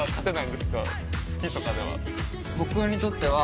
好きとかでは？